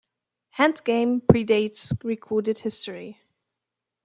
Handgame predates recorded history.